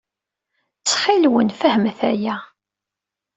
Ttxil-wen, fehmet aya.